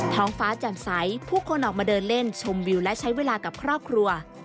ท้องฟ้าแจ่มใสผู้คนออกมาเดินเล่นชมวิวและใช้เวลากับครอบครัว